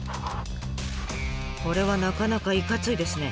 これはなかなかいかついですね。